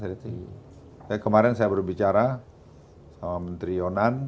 saya kemarin saya baru bicara sama menteri yonan